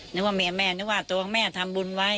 นึกว่าแม่นึกว่าตัวแม่ทำบุญไว้